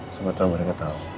sama sama mereka tau